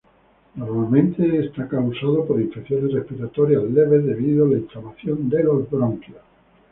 Normalmente es causado por infecciones respiratorias leves debido a la inflamación de los bronquios.